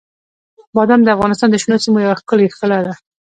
بادام د افغانستان د شنو سیمو یوه ښکلې ښکلا ده.